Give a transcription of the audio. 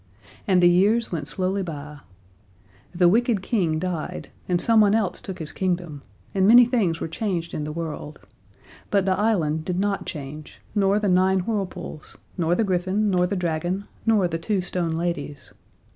And the years went slowly by. The wicked King died, and some one else took his kingdom, and many things were changed in the world; but the island did not change, nor the Nine Whirlpools, nor the griffin, nor the dragon, nor the two stone ladies.